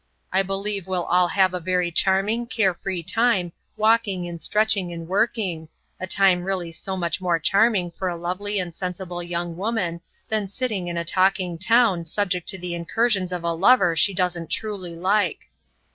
I believe we'll all have a very charming, care free time walking and sketching and working a time really so much more charming for a lovely and sensible young woman than sitting in a talking town subject to the incursions of a lover she doesn't truly like."